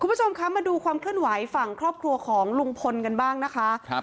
คุณผู้ชมคะมาดูความเคลื่อนไหวฝั่งครอบครัวของลุงพลกันบ้างนะคะครับ